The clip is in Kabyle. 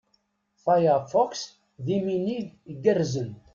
Firefox, d iminig igerrzen.